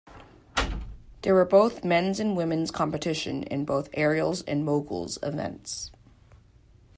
There were both men's and women's competition in both "aerials" and "moguls" events.